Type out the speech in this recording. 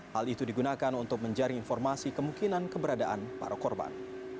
hal itu digunakan untuk menjaring informasi kemungkinan keberadaan para korban